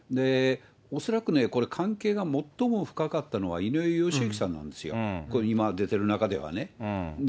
恐らくね、これ、関係が最も深かったのは井上義行さんなんですよ、今出てる中ではね。